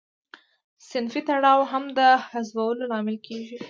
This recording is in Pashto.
صنفي تړاو هم د حذفولو لامل کیږي.